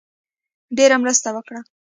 ډېره مرسته وکړه.